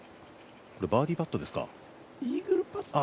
バーディーパットですか？